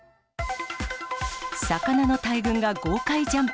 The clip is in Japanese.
魚の大群が豪快ジャンプ。